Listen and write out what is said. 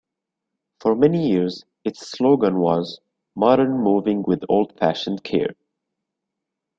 For many years, its slogan was "Modern moving with old fashioned care.